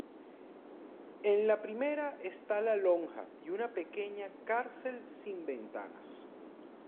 En la primera está la lonja y una pequeña cárcel sin ventanas.